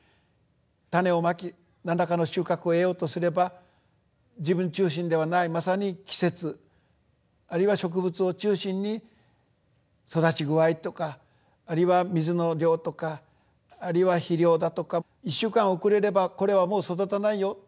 種をまき何らかの収穫を得ようとすれば自分中心ではないまさに季節あるいは植物を中心に育ち具合とかあるいは水の量とかあるいは肥料だとか１週間遅れればこれはもう育たないよ